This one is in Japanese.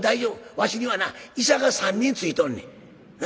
わしには医者が３人ついとんねん。な？